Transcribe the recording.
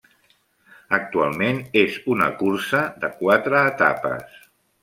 Actualment és una cursa de quatre etapes.